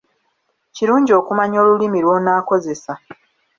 Kirungi okumanya olulimi lw'onaakozesa.